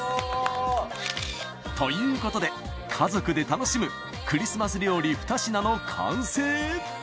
ということで家族で楽しむクリスマス料理２品の完成。